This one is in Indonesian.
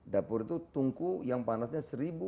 dapur itu tungku yang panasnya